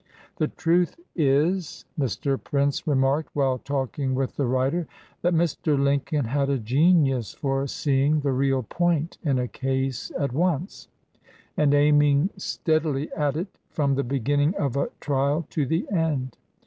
"The truth is," Mr. Prince remarked while talking with the writer, "that Mr. Lincoln had a genius for seeing the real point in a case at once, and aiming stead ily at it from the beginning of a trial to the end.